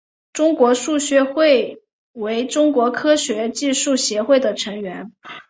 中国数学会为中国科学技术协会的成员。